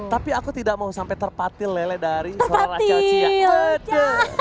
tapi aku tidak mau sampai terpatil lele dari suara rachel chia